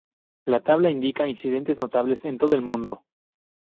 La tabla indica incidentes notables en todo el mundo.